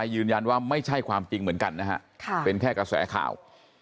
ยืนยันว่าไม่ใช่ความจริงเหมือนกันนะฮะเป็นแค่กระแสข่าว